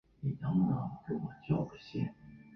毛紫薇为千屈菜科紫薇属下的一个种。